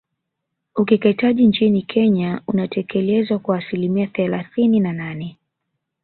Ukeketaji nchini Kenya unatekelezwa kwa asilimia thelathini na nane